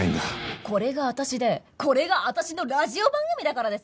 これが私でこれが私のラジオ番組だからです。